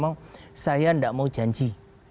masih kejadian gak mau janji